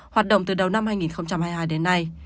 hoạt động từ đầu năm hai nghìn hai mươi hai đến nay